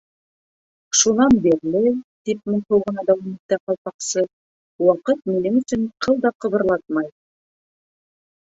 —Шунан бирле, —тип моңһоу ғына дауам итте Ҡалпаҡсы, —ваҡыт минең өсөн ҡыл да ҡыбырлатмай!